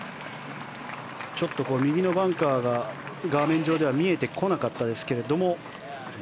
ちょっと右のバンカーが画面上で見えてこなかったですが。